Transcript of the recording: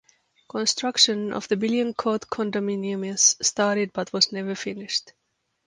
Construction of the Billion Court Condominiums started but was never finished.